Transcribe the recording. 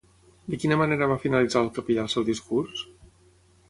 De quina manera va finalitzar el capellà el seu discurs?